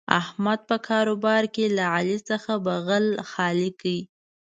احمد په کاروبار کې له علي څخه بغل خالي کړ.